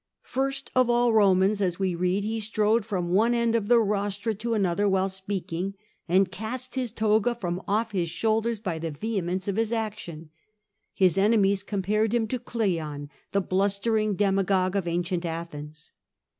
First of all Romans, as we read, he strode from one end of the rostra to another while speaking, and cast his toga from off his shoulders by the vehemence of his action. His enemies com pared him to Oleon, the blustering demagogue of ancient Athens.